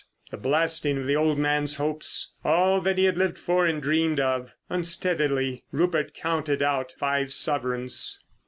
The blasting of the old man's hopes. All that he had lived for and dreamed of. Unsteadily Rupert counted out five sovereigns.